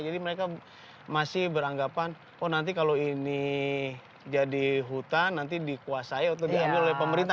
jadi mereka masih beranggapan oh nanti kalau ini jadi hutan nanti dikuasai atau diambil oleh pemerintah